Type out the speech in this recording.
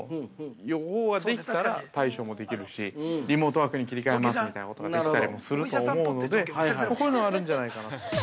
予報ができたら対処もできるし、リモートワークに切り替えますみたいなことができたりもすると思うので、こういうのがあるんじゃないかと。